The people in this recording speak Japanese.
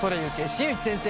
新内先生」。